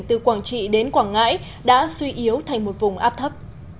từ quảng trị đến quảng ngãi đã suy yếu thành một vùng áp thấp